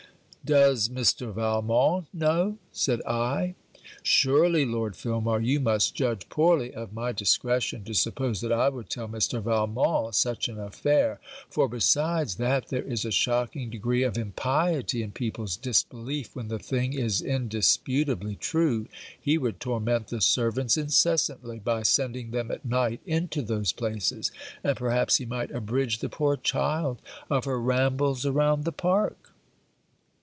'Does, Mr. Valmont know?' said I. 'Surely, Lord Filmar, you must judge poorly of my discretion, to suppose that I would tell Mr. Valmont such an affair; for, besides that there is a shocking degree of impiety in people's disbelief when the thing is indisputably true, he would torment the servants incessantly, by sending them at night into those places, and perhaps he might abridge the poor child of her rambles around the park.'